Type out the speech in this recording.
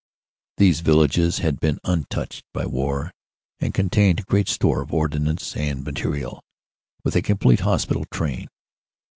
These villages had been untouched by war and contained great store of ordnance and material, with a complete hospital train.